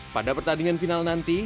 pada pertandingan final nanti